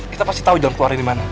kita pasti tahu jalan keluarnya dimana